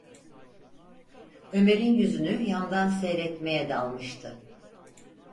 Ömer’in yüzünü yandan seyretmeye dalmıştı.